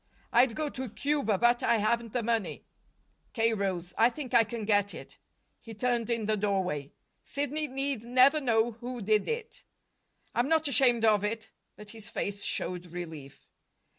"I'd go to Cuba, but I haven't the money." K. rose. "I think I can get it." He turned in the doorway. "Sidney need never know who did it." "I'm not ashamed of it." But his face showed relief.